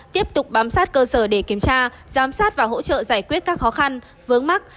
tiếp tục bám sát cơ sở để kiểm tra giám sát và hỗ trợ giải quyết các khó khăn vướng mắt